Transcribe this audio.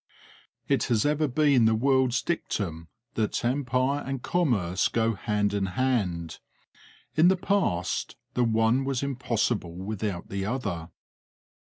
It has ever been the world's dictum that empire and commerce go hand in hand. In the past the one was impossible without the other.